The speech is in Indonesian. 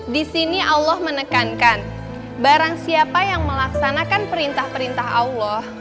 di sini allah menekankan barang siapa yang melaksanakan perintah perintah allah